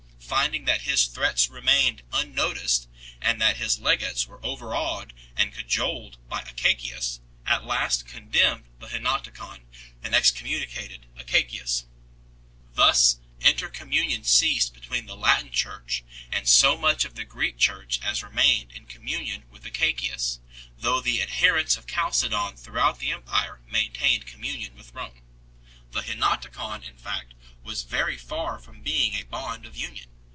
finding that his threats remained un noticed and that his legates were overawed and cajoled by Acacius, at last condemned the Henoticon and excommu nicated Acacius 8 . Thus intercommunion ceased between the Latin Church and so much of the Greek Church as remained in communion with Acacius, though the ad herents of Chalcedon throughout the empire maintained communion with Rome. The Henoticon, in fact, was. very far from being a bond of union.